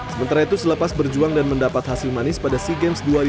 sementara itu selepas berjuang dan mendapat hasil manis pada sea games dua ribu dua puluh